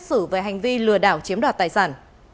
xử về hành vi lừa đảo chiếm đoạt tài sản